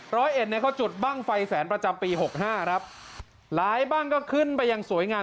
ร้อยเอ็ดเนี่ยเขาจุดบ้างไฟแสนประจำปีหกห้าครับหลายบ้างก็ขึ้นไปอย่างสวยงาม